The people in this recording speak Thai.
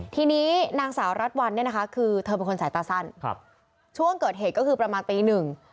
ทีนี้นางสาวรัฐวันเนี่ยนะคะคือเธอเป็นคนสายตาสั้นครับช่วงเกิดเหตุก็คือประมาณตีหนึ่ง